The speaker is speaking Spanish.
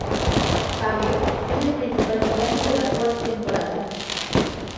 Habib es el principal villano de la cuarta temporada.